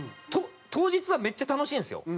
当日はめっちゃ楽しいんですよ。